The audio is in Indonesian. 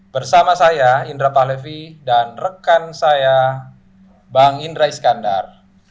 bersama saya indra pahlevi dan rekan saya bang indra iskandar